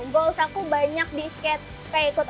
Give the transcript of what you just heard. goals aku banyak di skate kayak ikut